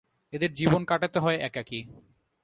এদের জীবন কাটাতে হয় একাকী।